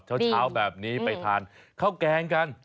เช้าแบบนี้ไปทานข้าวแกงกัน